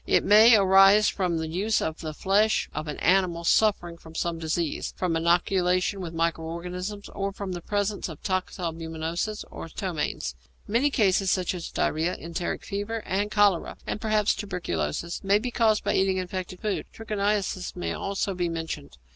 It may arise from the use of the flesh of an animal suffering from some disease, from inoculation with micro organisms, or from the presence of toxalbumoses or ptomaines. Many diseases, such as diarrhoea, enteric fever, and cholera, and perhaps tuberculosis, may be caused by eating infected food. Trichiniasis may also be mentioned.